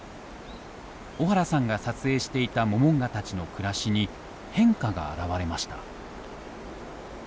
小原さんが撮影していたモモンガたちの暮らしに変化が現れました。